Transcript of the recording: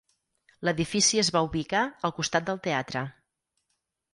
L'edifici es va ubicar al costat del teatre.